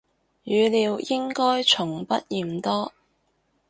語料應該從不嫌多